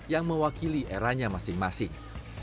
yang mewakili eranya masing masing